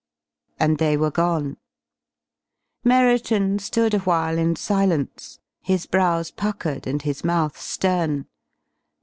And they were gone. Merriton stood awhile in silence, his brows puckered and his mouth stern.